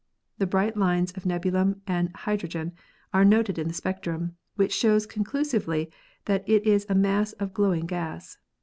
The bright lines of nebulum and hydro gen are noted in the spectrum, which shows conclusively that it is a mass of glowing gas.